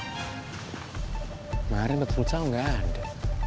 kemarin buat pulsa enggak ade